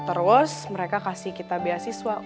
terus mereka kasih kita beasiswa